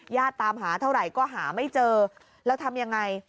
ตามหาเท่าไหร่ก็หาไม่เจอแล้วทำยังไง